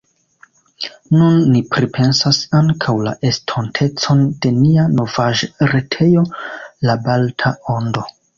Nun ni pripensas ankaŭ la estontecon de nia novaĵretejo La Balta Ondo.